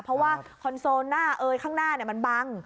เพราะว่าคอนโซลข้างหน้ามันบัง